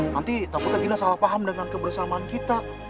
nanti takutnya gina salah paham dengan kebersamaan kita